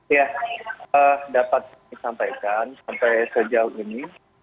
iya dapat disampaikan sampai sejauh ini